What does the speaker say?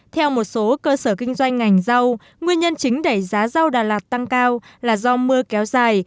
theo một số cơ sở kinh doanh ngành rau nguyên nhân chính đẩy giá rau đà lạt tăng cao là do mưa kéo dài